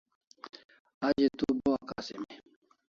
A ze tu bo akasimi